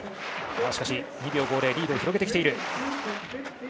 しかし２秒５０リードを広げてきている。